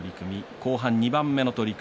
後半２番目の取組